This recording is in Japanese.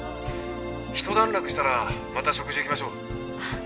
一段落したらまた食事行きましょう。